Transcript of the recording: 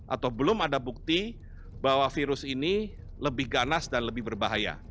atau belum ada bukti bahwa virus ini lebih ganas dan lebih berbahaya